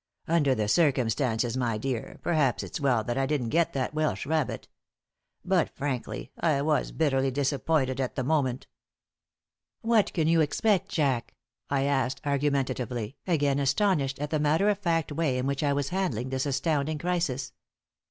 "Under the circumstances, my dear, perhaps it's well that I didn't get that Welsh rabbit. But, frankly, I was bitterly disappointed at the moment." "What can you expect, Jack?" I asked, argumentatively, again astonished at the matter of fact way in which I was handling this astounding crisis.